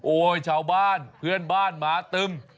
โอ้โฮชาวบ้านเพื่อนบ้านมาตึ้ม